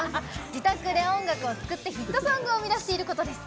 自宅で音楽を作ってヒットソングを生み出していることです。